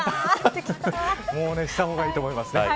もうした方がいいと思いますね。